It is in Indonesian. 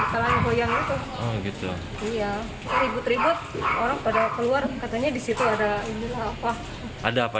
salah ngegoyang itu iya ribut ribut orang pada keluar katanya disitu ada ini apa ada apa